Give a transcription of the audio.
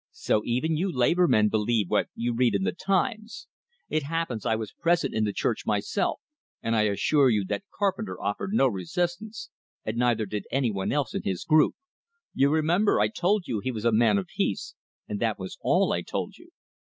"So even you labor men believe what you read in the 'Times'! It happens I was present in the church myself, and I assure you that Carpenter offered no resistance, and neither did anyone else in his group. You remember, I told you he was a man of peace, and that was all I told you."